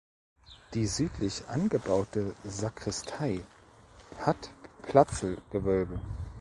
Die südlich angebaute Sakristei hat Platzlgewölbe.